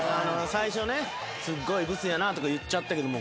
最初ねすごいブスやなとか言っちゃったけども。